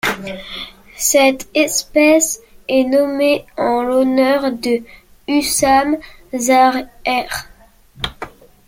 Cette espèce est nommée en l'honneur de Hussam Zaher.